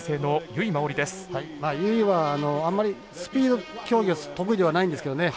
由井は、あんまりスピード競技が得意ではないんですけどね。